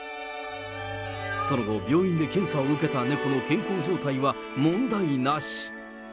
その後、病院で検査を受けた猫の健康状態は問題なし。